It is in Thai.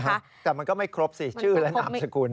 แต่มันก็ไม่ครบสิชื่อและนามสกุล